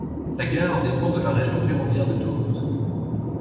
La gare dépend de la région ferroviaire de Toulouse.